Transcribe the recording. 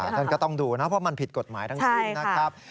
ท่านก็ต้องดูนะเพราะมันผิดกฎหมายทั้งสิ้นนะครับ